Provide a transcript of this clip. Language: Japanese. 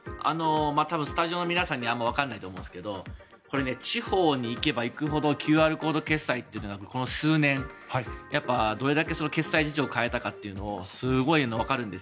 多分スタジオの皆さんにはあまりわからないと思いますがこれ、地方に行けば行くほどＱＲコード決済というのがここ数年どれだけ決済事情を変えたかがすごいわかるんです。